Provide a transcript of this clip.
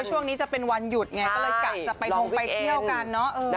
ช่วงนี้จะเป็นวันหยุดไงก็เลยกะจะไปทงไปเที่ยวกันเนอะ